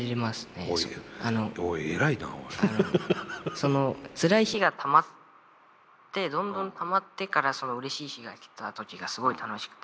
そのつらい日がたまってどんどんたまってからそのうれしい日が来た時がすごい楽しくて。